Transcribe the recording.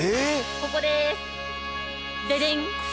ここです。